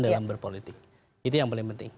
dalam berpolitik itu yang paling penting